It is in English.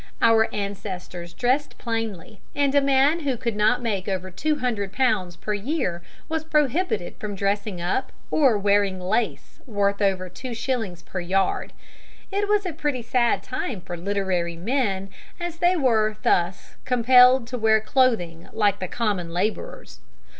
Our ancestors dressed plainly, and a man who could not make over two hundred pounds per year was prohibited from dressing up or wearing lace worth over two shillings per yard. It was a pretty sad time for literary men, as they were thus compelled to wear clothing like the common laborers.